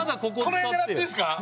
この辺狙っていいですか？